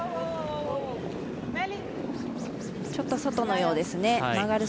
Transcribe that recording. ちょっと外のようですね。